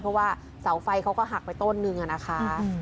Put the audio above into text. เพราะว่าเสาไฟเขาก็หักไปต้นนึงอะนะคะ